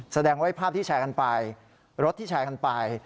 แสดงว่าภาพที่แชร์กันไปรถที่แชร์กันไป